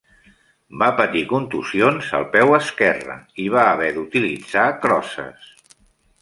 Va patir contusions al peu esquerre i va haver d'utilitzar crosses.